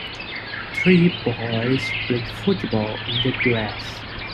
three boys play football in the grass.